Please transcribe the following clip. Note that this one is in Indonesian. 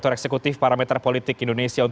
tim liputan cnn indonesia